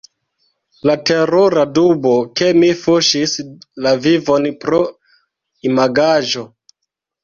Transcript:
La terura dubo — ke mi fuŝis la vivon pro imagaĵo.